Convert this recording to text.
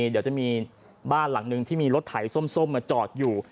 ว่าจะมีบ้านหลังนึงที่มีรถไถส้มมาจอดอยู่